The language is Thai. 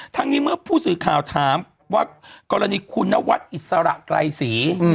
ทั้งนี้เมื่อผู้สื่อข่าวถามว่ากรณีคุณนวัดอิสระไกรศรี